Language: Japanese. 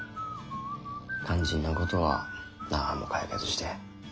肝心なことは何も解決してへん。